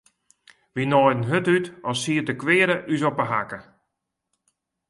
Wy naaiden hurd út as siet de kweade ús op 'e hakke.